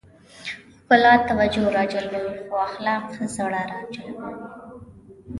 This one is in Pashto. ښکلا توجه راجلبوي خو اخلاق زړه راجلبوي.